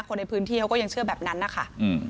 คนในพื้นที่เขาก็ยังเชื่อแบบนั้นนะคะ